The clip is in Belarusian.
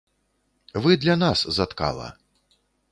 Вы для нас заткала!